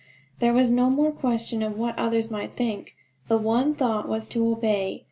There was no more question of what others might think; the one thought was to obey.